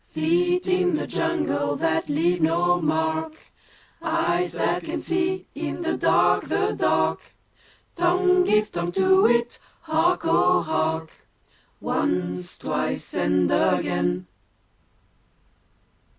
Feet in the jungle that leave no mark! Eyes that can see in the dark the dark! Tongue give tongue to it! Hark! O hark! Once, twice and again!